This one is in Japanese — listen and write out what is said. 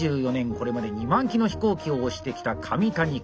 これまで２万機の飛行機を押してきた上谷和之さんです。